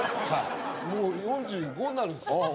もう４５歳になるんです。